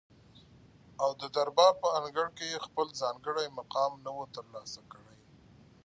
او ددربار په انګړ کي یې خپل ځانګړی مقام نه وو تر لاسه کړی